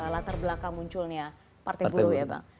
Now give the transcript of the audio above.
latar belakang munculnya partai buruh ya bang